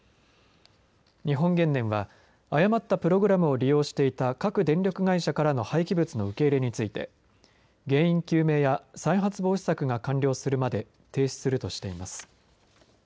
日本原燃は誤ったプログラムを利用していた各電力会社からの廃棄物の受け入れについて原因究明や再発防止策が完了するまで停止するとしています。